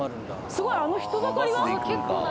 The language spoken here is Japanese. すごいあの人だかりは？